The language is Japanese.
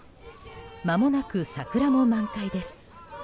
まもなく桜も満開です。